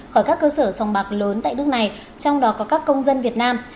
khỏi các cơ sở sòng bạc lớn tại nước này trong đó có các công dân việt nam